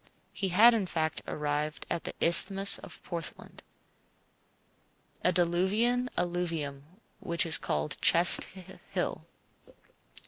He had, in fact, arrived at the Isthmus of Portland, a diluvian alluvium which is called Chess Hill.